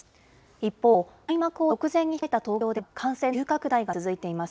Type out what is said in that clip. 一方、開幕を直前に控えた東京では、感染の急拡大が続いています。